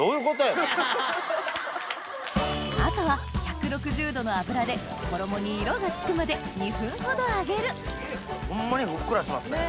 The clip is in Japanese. あとは１６０℃の油で衣に色がつくまで２分ほど揚げるホンマにふっくらしますね。